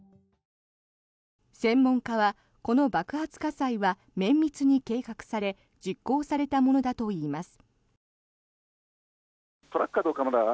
専門家はこの爆発火災は綿密に計画され実行されたものだといいます。